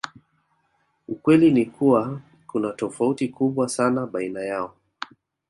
Ukweli ni kuwa kuna tofauti kubwa sana baina yao